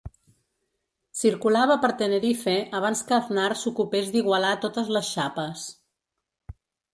Circulava per Tenerife abans que Aznar s'ocupés d'igualar totes les “xapes”.